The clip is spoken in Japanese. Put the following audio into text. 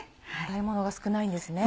洗い物が少ないんですね。